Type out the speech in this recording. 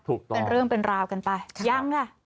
เป็นเรื่องเป็นราวกันไปยังล่ะ